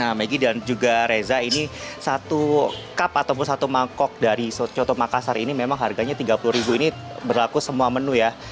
nah maggie dan juga reza ini satu cup ataupun satu mangkok dari coto makassar ini memang harganya rp tiga puluh ini berlaku semua menu ya